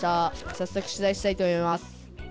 早速取材したいと思います。